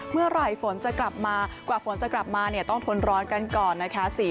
เมื่อไหร่ฝนจะกลับมากว่าฝนจะกลับมาเนี่ยต้องทนร้อนกันก่อนนะคะ